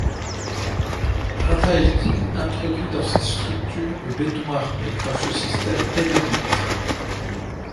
Raphaël Guy introduit dans ses structures le béton armé, grâce au système Hennebique.